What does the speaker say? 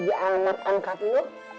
jadi alamat ongkat lo